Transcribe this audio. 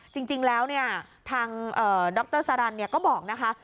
จริงแล้วทางดรสารันก็บอกนะคะ